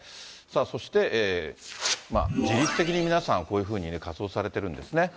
そして、自律的に皆さん、こういうふうに活動されてるんですね。